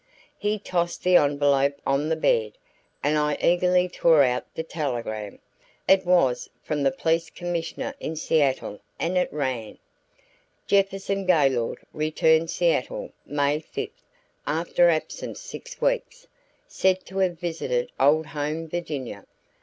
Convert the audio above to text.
He tossed the envelope on the bed and I eagerly tore out the telegram. It was from the police commissioner in Seattle and it ran: "Jefferson Gaylord returned Seattle May fifth after absence six weeks. Said to have visited old home Virginia.